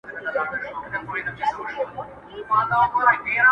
يې ياره شرموه مي مه ته هرڅه لرې ياره ـ